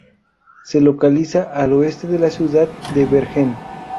Se localiza al oeste de la ciudad de Bergen.